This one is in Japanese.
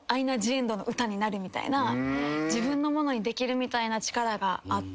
自分のものにできるみたいな力があって。